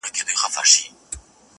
په دې پانوس کي نصیب زر ځله منلی یمه!!